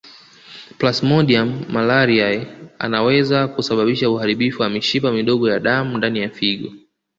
Plasmodium malariae anaweza kusababisha uharibifu wa mishipa midogo ya damu ndani ya figo